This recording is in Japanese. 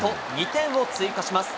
２点を追加します。